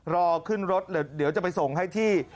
รอขึ้นรถเดี๋ยวจะไปส่งให้ที่